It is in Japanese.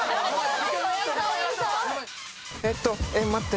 えっと待って。